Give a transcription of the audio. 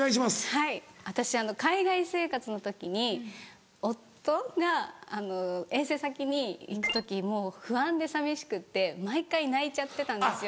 はい私海外生活の時に夫が遠征先に行く時もう不安で寂しくって毎回泣いちゃってたんですよ。